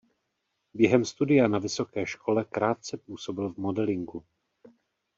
Během studia na vysoké škole krátce působil v modelingu.